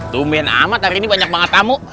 tumin amat hari ini banyak banget tamu